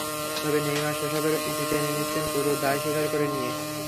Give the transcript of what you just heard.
তবে নেইমার সেসবের ইতি টেনে নিচ্ছেন পুরো দায় স্বীকার করে নিয়ে।